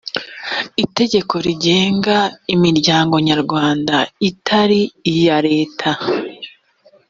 itegeko rigenga imiryango nyarwanda itari iya leta.